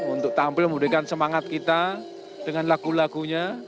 untuk tampil memberikan semangat kita dengan lagu lagunya